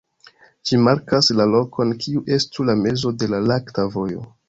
Ĝi markas la lokon kiu estu la mezo de la Lakta Vojo.